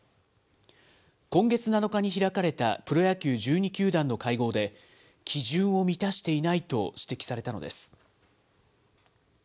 今月７日に開かれたプロ野球１２球団の会合で、基準を満たしていないと指摘されたのです。